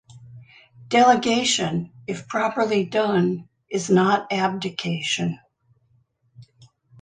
Delegation, if properly done, is not abdication.